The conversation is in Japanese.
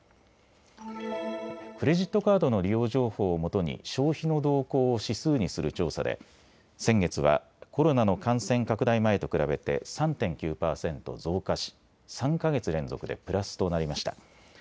クレジットカードの利用情報をもとに消費の動向を指数にする調査で先月はコロナの感染拡大前と比べて３．９％増加し３か月連続でプラスとなりました。